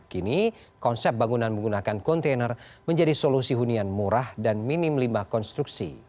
kini konsep bangunan menggunakan kontainer menjadi solusi hunian murah dan minim limbah konstruksi